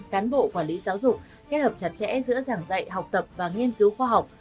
cán bộ quản lý giáo dục kết hợp chặt chẽ giữa giảng dạy học tập và nghiên cứu khoa học